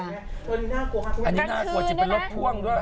อันนี้น่ากลัวมากอันนี้น่ากลัวจะเป็นรถพ่วงด้วย